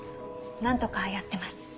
何とかやってます。